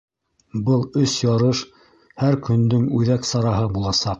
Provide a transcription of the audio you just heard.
Был өс ярыш һәр көндөң үҙәк сараһы буласаҡ.